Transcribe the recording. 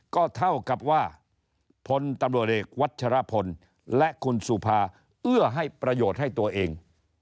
ก็เท่ากับว่าพลตำรวจเอกวัชรพลและคุณสุภาเอื้อให้ประโยชน์ให้ตัวเอง